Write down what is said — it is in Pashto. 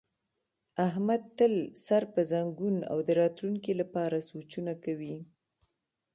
احمد تل سر په زنګون او د راتونکي لپاره سوچونه کوي.